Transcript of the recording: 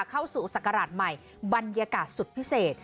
เข้าสู่ศักราชใหม่บรรยากาศสุดพิเศษ